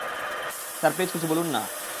Sir please, কিছু বলুন না?